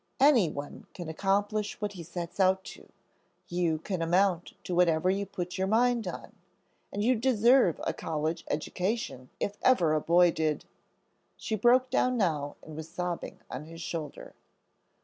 "Any one can accomplish what he sets out to. You can amount to whatever you put your mind on; and you deserve a college education if ever a boy did." She broke down now and was sobbing on his shoulder.